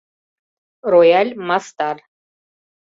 РОЯЛЬ МАСТАР